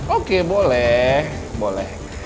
oke boleh boleh